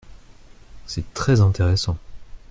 C’est très intéressant.